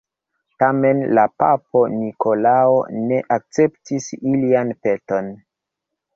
Tamen la papo Nikolao ne akceptis ilian peton.